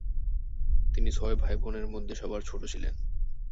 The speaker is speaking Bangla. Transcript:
তিনি ছয় ভাইবোনের মধ্যে সবার ছোট ছিলেন।